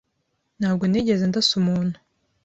Ntabwo nigeze ndasa umuntu.